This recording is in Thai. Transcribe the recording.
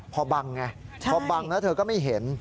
พอบังไงพอบังแล้วเธอก็ไม่เห็น